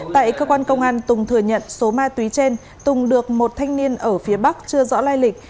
tại cơ quan công an tùng thừa nhận số ma túy trên tùng được một thanh niên ở phía bắc chưa rõ lai lịch